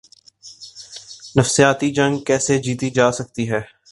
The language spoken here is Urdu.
نفسیاتی جنگ کیسے جیتی جا سکتی ہے۔